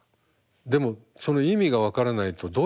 でもその意味が分からないとどうやって。